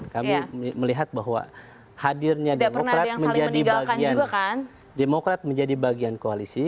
kami melihat bahwa hadirnya demokrat menjadi bagian koalisi